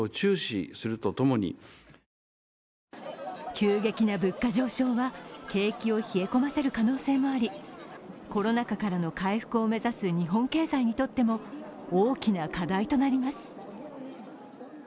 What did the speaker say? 急激な物価上昇は景気を冷え込ませる可能性がありコロナ禍からの回復を目指す日本経済にとっても大きな課題となります。